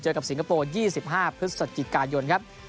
กับสิงคโปร์๒๕พฤศจิกายนครับ